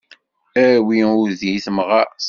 Awi udi i temɣart.